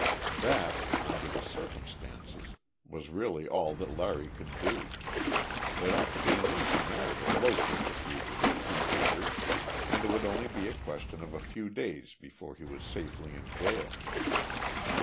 That, under the circumstances, was really all that Larry could do. It ought to be an easy matter to locate the fugitive, he figured, and it would only be a question of a few days before he was safely in jail.